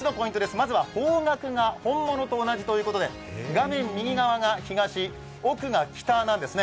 まず方角が本物と同じということで画面右側が東、奥が北なんですね。